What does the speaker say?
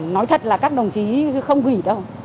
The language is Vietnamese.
nói thật là các đồng chí không quỷ đâu